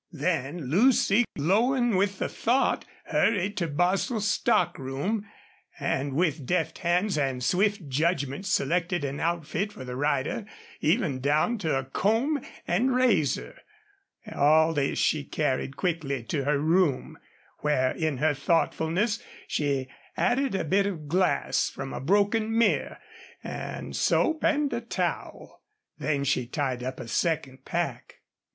Then Lucy, glowing with the thought, hurried to Bostil's stock room, and with deft hands and swift judgment selected an outfit for the rider, even down to a comb and razor. All this she carried quickly to her room, where in her thoughtfulness she added a bit of glass from a broken mirror, and soap and a towel. Then she tied up a second pack.